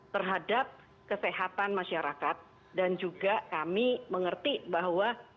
terhadap kesehatan masyarakat dan juga kami mengerti bahwa